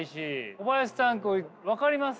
小林さんこれ分かります？